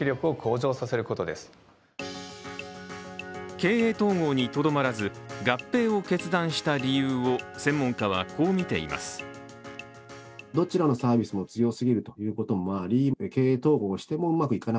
経営統合にとどまらず、合併を決断した理由を専門家は、こう見ています。